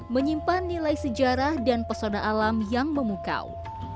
menyimpan nilai sejarah dan pesona alam yang memukau